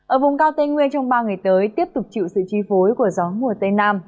ở vùng cao tây nguyên trong ba ngày tới tiếp tục chịu sự chi phối của gió mùa tây nam